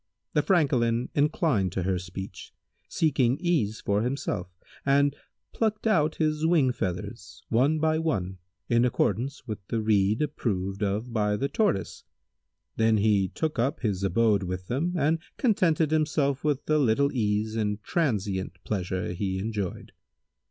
The Francolin inclined to her speech, seeking ease for himself, and plucked out his wing feathers, one by one, in accordance with the rede approved of by the Tortoise; then he took up his abode with them and contented himself with the little ease and transient pleasure he enjoyed.